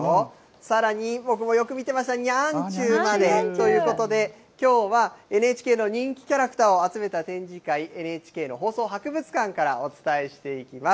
さらに、僕もよく見てました、ニャンちゅうまで。ということで、きょうはＮＨＫの人気キャラクターを集めた展示会、ＮＨＫの放送博物館からお伝えしていきます。